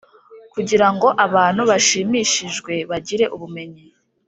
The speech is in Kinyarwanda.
Kugira ngo abantu bashimishijwe bagire ubumenyi